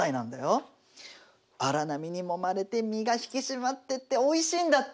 荒波にもまれて身が引き締まってておいしいんだって！